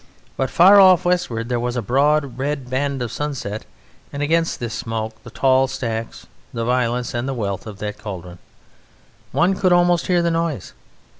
But far off, westward, there was a broad red band of sunset, and against this the smoke, the tall stacks, the violence and the wealth of that cauldron. One could almost hear the noise.